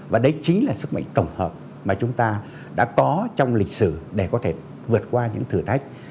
và đấy chính là sức mạnh tổng hợp mà chúng ta đã có trong lịch sử để có thể vượt qua những thử thách